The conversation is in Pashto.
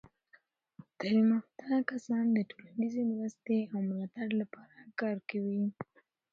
تعلیم یافته کسان د ټولنیزې مرستې او ملاتړ لپاره کار کوي.